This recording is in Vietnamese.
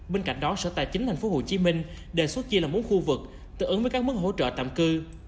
bên cạnh đó sở tài chính tp hcm đề xuất chia là bốn khu vực tự ứng với các mức hỗ trợ tạm cư